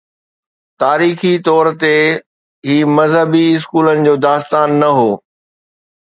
تاريخي طور تي، هي مذهبي اسڪولن جو داستان نه هو.